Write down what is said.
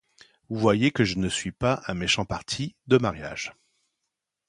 Vous voyez que je ne suis pas un méchant parti de mariage.